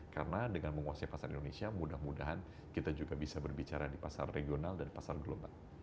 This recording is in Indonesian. karena dengan menguasai pasar indonesia mudah mudahan kita juga bisa berbicara di pasar regional dan pasar global